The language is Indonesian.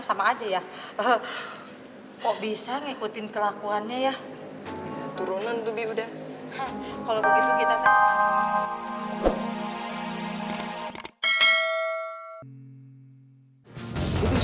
sama aja ya kok bisa ngikutin kelakuannya ya turunan tuh bi udah kalau begitu kita